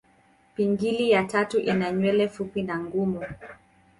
Pingili ya tatu ina nywele fupi na ngumu.